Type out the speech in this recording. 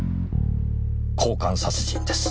交換殺人です。